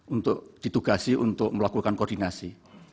untuk ditugasi untuk melakukan koordinasi